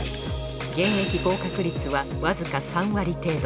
現役合格率はわずか３割程度。